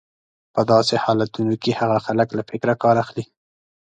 په داسې حالتونو کې هغه خلک له فکره کار اخلي.